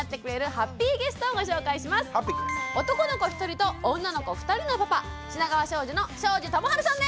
男の子１人と女の子２人のパパ品川庄司の庄司智春さんです！